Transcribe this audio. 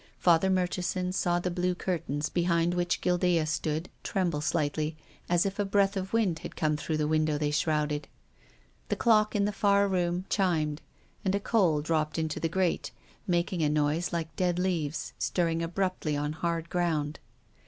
Father Murchison saw the blue curtains behind which Guildea stood tremble slightly, as if a breath of wind had come through the window they shrouded. The clock in the far room chimed, and a coal dropped into the grate, making a noise like dead leaves stirring abruptly on hard ground.